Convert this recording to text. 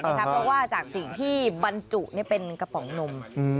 เพราะว่าจากสิ่งที่บรรจุเป็นกระป๋องนม